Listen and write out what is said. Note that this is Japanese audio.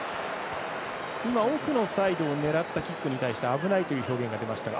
今、奥のサイドを狙ったキックに対して危ないという表現が出ましたが。